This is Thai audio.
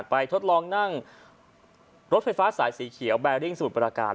ทดลองนั่งรถไฟฟ้าสายสีเขียวแบริ่งสมุทรประการ